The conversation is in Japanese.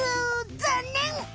ざんねん！